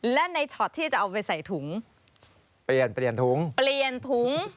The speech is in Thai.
และในช็อตที่จะเอาไปใส่ถุงเปลี่ยนเปลี่ยนเปลี่ยนถุงเปลี่ยนถุง